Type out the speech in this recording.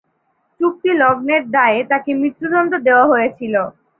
চুক্তি লঙ্ঘনের দায়ে তাকে মৃত্যুদণ্ড দেওয়া হয়েছিল।